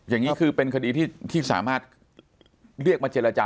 อย่างนี้คือเป็นคดีที่สามารถเรียกมาเจรจา